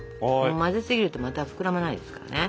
混ぜすぎるとまた膨らまないですからね。